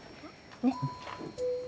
ねっ。